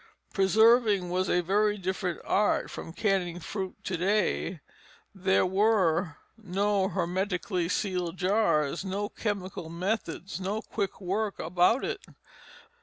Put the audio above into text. Preserving was a very different art from canning fruit to day. There were no hermetically sealed jars, no chemical methods, no quick work about it.